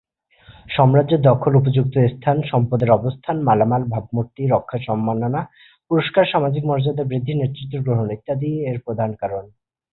সাম্রাজ্য দখল, উপযুক্ত স্থান, সম্পদের অবস্থান, মালামাল, ভাবমূর্তি রক্ষা, সম্মাননা, পুরস্কার, সামাজিক মর্যাদা বৃদ্ধি, নেতৃত্ব গ্রহণ ইত্যাদি এর প্রধান কারণ।